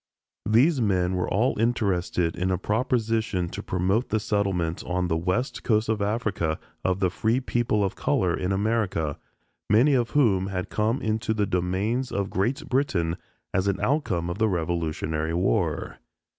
These men were all interested in a proposition to promote the settlement on the West Coast of Africa of the free people of color in America, many of whom had come into the domains of Great Britain as an outcome of the Revolutionary War.